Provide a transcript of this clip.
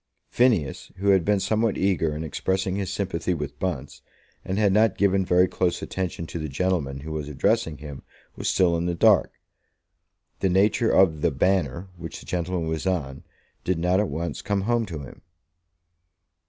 Phineas, who had been somewhat eager in expressing his sympathy with Bunce, and had not given very close attention to the gentleman who was addressing him, was still in the dark. The nature of the Banner, which the gentleman was on, did not at once come home to him.